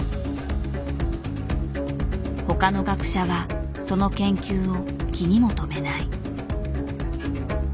他の学者はその研究を気にも留めない。